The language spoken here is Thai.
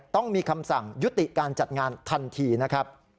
ต้องมีคำสั่งยุติการจัดงานทันทีนะครับ